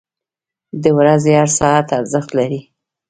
• د ورځې هر ساعت ارزښت لري.